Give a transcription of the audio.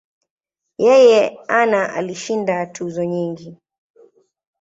Yeye ana alishinda tuzo nyingi.